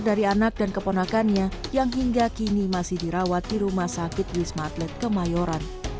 dari anak dan keponakannya yang hingga kini masih dirawat di rumah sakit wisma atlet kemayoran